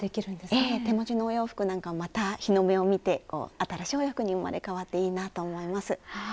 ええ手持ちのお洋服なんかもまた日の目を見て新しいお洋服に生まれ変わっていいなと思います。